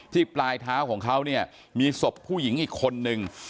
ปลายเท้าของเขาเนี่ยมีศพผู้หญิงอีกคนนึง